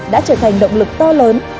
đã trở thành động lực to lớn